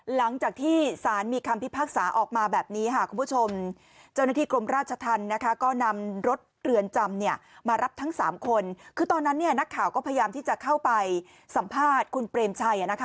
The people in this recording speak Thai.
หลังจากที่สารมีคำพิพากษาออกมาแบบนี้ค่ะคุณผู้ชมเจ้าหน้าที่กรมราชธรรมนะคะก็นำรถเรือนจำเนี่ยมารับทั้ง๓คนคือตอนนั้นเนี่ยนักข่าวก็พยายามที่จะเข้าไปสัมภาษณ์คุณเปรมชัย